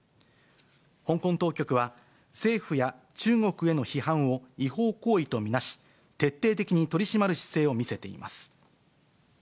香港当局は、政府や中国への批判を違法行為と見なし、徹底的に取り締まる姿勢を見せています。